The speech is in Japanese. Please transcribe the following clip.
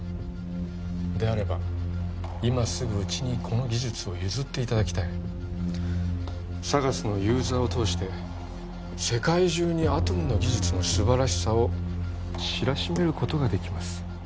であれば今すぐうちにこの技術を譲っていただきたいＳＡＧＡＳのユーザーを通して世界中にアトムの技術の素晴らしさを知らしめることができます